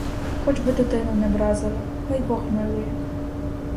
Хоч би дитину не вразили, хай бог милує.